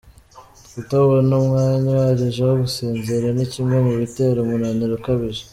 Kutabona umwanya uhagije wo gusinzira ni kimwe mu bitera umunaniro ukabije.